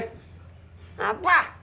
kalau udah nanyanya kita apocalypse